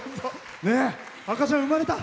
赤ちゃん、生まれた？